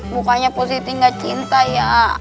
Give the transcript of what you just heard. bukannya positi gak cinta ya